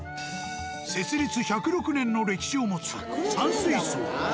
設立１０６年の歴史を持つ「山水荘」。